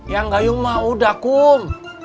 ya enggak yungma udah kum